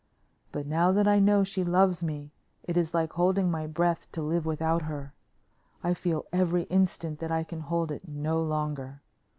But now that I know she loves me it is like holding my breath to live without her. I feel every instant that I can hold it no longer.